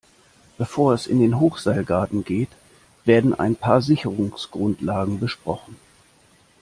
Bevor es in den Hochseilgarten geht, werden ein paar Sicherungsgrundlagen besprochen.